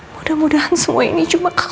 mudah mudahan semua ini cuma kekuatian ya ma